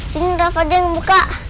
sini rafa aja yang buka